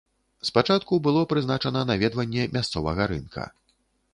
Спачатку было прызначана наведванне мясцовага рынка.